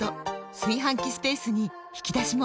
炊飯器スペースに引き出しも！